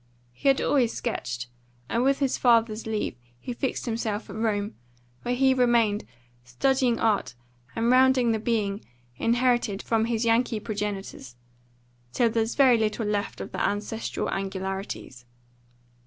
He had always sketched, and with his father's leave he fixed himself at Rome, where he remained studying art and rounding the being inherited from his Yankee progenitors, till there was very little left of the ancestral angularities.